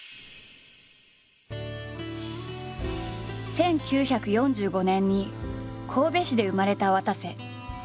１９４５年に神戸市で生まれたわたせ。